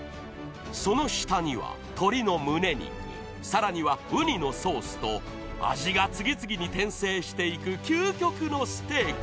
［その下には鶏の胸肉さらにはウニのソースと味が次々に転生していく究極のステーキ］